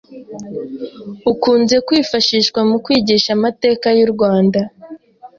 ukunze kwifashishwa mu kwigisha amateka y’u Rwanda,